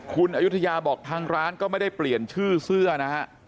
คุณอายุทยาบอกทางร้านก็ไม่ได้เปลี่ยนชื่อเสื้อนะฮะ